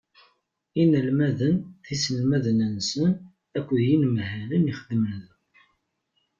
Inelmaden d yiselmaden-nsen akked yinemhalen i ixeddmen da.